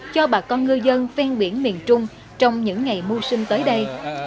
cho bà con ngư dân ven biển miền trung trong những ngày mưu sinh tới đây